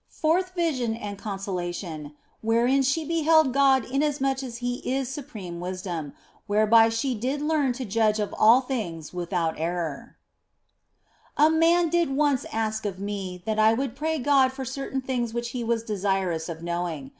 FOURTH VISION AND CONSOLATION, WHEREIN SHE BEHELD GOD INASMUCH AS HE IS SUPREME WISDOM, WHEREBY SHE DID LEARN TO JUDGE OF ALL THINGS WITHOUT ERROR A MAN did once ask of me that I would pray God for certain things which he was desirous of knowing.